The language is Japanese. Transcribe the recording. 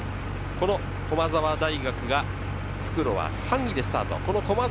この駒澤大学が復路は３位でスタート。